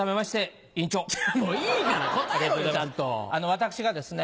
私がですね